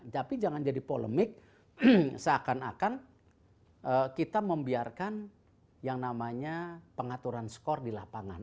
tapi jangan jadi polemik seakan akan kita membiarkan yang namanya pengaturan skor di lapangan